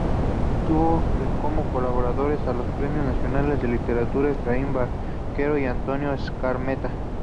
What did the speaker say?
Tuvo como colaboradores a los premios Nacionales de Literatura Efraín Barquero y Antonio Skármeta.